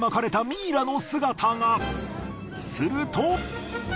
すると。